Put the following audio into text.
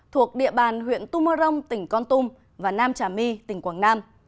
thuộc địa bàn huyện tumarong tỉnh con tum và nam trà my tỉnh quảng nam